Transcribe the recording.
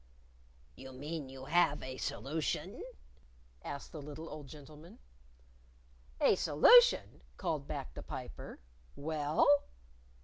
"You mean you have a solution?" asked the little old gentleman. "A solution?" called back the Piper. "Well